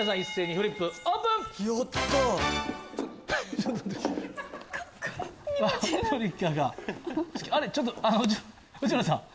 ちょっと内村さん。